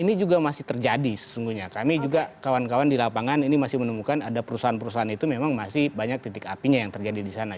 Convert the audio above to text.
ini juga masih terjadi sesungguhnya kami juga kawan kawan di lapangan ini masih menemukan ada perusahaan perusahaan itu memang masih banyak titik apinya yang terjadi di sana